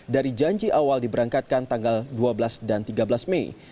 dari janji awal diberangkatkan tanggal dua belas dan tiga belas mei